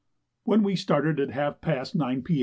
When we started at half past 9 P.